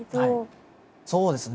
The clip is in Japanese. そうですね